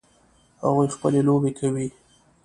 هغوی خپلې لوبې کوي